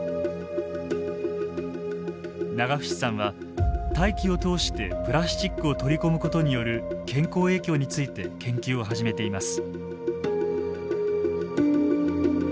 永淵さんは大気を通してプラスチックを取り込むことによる健康影響について研究を始めています。